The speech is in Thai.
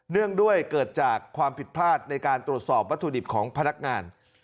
เนื่องด้วยเกิดจากความผิดพลาดในการตรวจสอบวัตถุดิบของพนักงาน